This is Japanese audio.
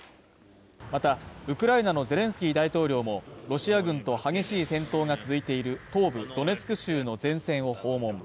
また、ウクライナのゼレンスキー大統領もロシア軍と激しい戦闘が続いている東部ドネツク州の前線を訪問。